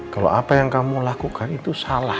kalau apa yang kamu lakukan itu salah